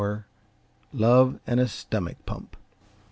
Love and a Stomach Pump.